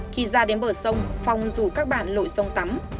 khi ra đến bờ sông phong rủ các bản lội sông tắm